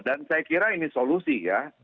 dan saya kira ini solusi ya